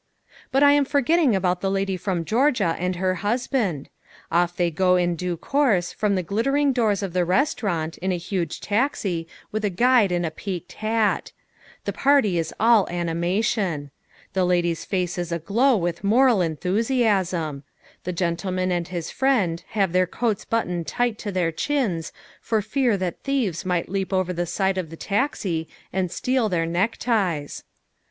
But I am forgetting about the Lady from Georgia and her husband. Off they go in due course from the glittering doors of the restaurant in a huge taxi with a guide in a peaked hat. The party is all animation. The lady's face is aglow with moral enthusiasm. The gentleman and his friend have their coats buttoned tight to their chins for fear that thieves might leap over the side of the taxi and steal their neckties.